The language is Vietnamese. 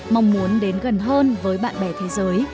mong muốn đến gần hơn với bạn bè thế giới